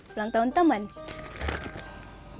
pelang tahun teman